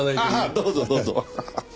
ああどうぞどうぞ。